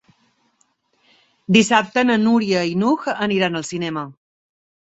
Dissabte na Núria i n'Hug aniran al cinema.